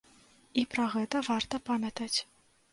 І пра гэта варта памятаць.